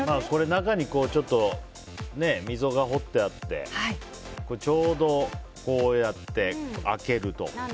中に溝が掘ってあってちょうどこうやって開けるとか。